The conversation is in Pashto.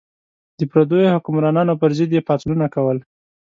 د پردیو حکمرانانو پر ضد یې پاڅونونه کول.